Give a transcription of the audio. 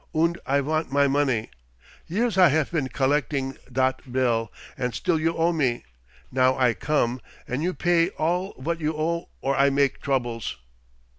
Und I vant my money! Years I haf been collecding dot bill, und still you owe me. Now I come, and you pay me all vot you owe or I make troubles!"